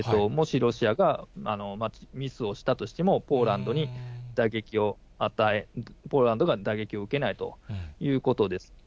もし、ロシアがミスをしたとしても、ポーランドに打撃を与え、ポーランドが打撃を受けないということです。